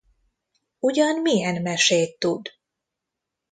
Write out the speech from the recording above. Ugyan milyen mesét tud?